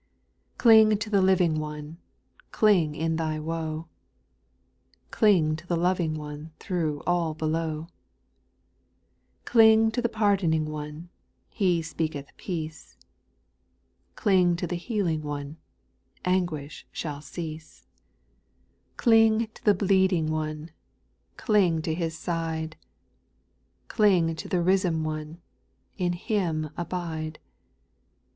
2. Cling to the Living One, Cling in thy woe ; Cling to the Loving One, Through all below ; Cling to the Pard'ning One, He speaketh peace ; Cling to the Healing One, Anguish shall cee^^. 882 SPIRITUAL SONGS. 3. Cling to the Bleeding One, Cling to His side ; Cling to the Risen One, In Ilim abide.